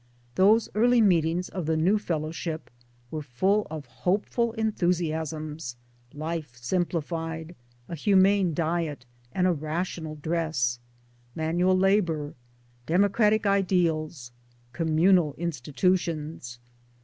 Those early meetings of the New Fellowship were full of hopeful enthusiasms life simplified, a humane diet and a rational dress, manual labour, democratic ideals, communal institutions.